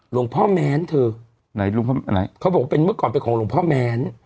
หลวงพ่อแม้นเธอไหนหลวงพ่อไหนเขาบอกว่าเป็นเมื่อก่อนเป็นของหลวงพ่อแม้น